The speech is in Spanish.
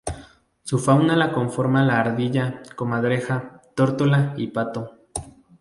Su fauna la conforma la ardilla, comadreja, tórtola y pato.